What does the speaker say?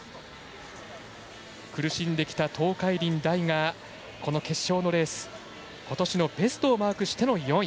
苦しんできた東海林大がこの決勝のレース、ことしのベストをマークしての４位。